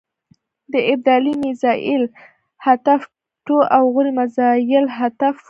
د ابدالي میزایل حتف ټو او غوري مزایل حتف فور و.